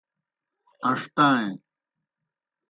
ان٘ݜٹائیں۔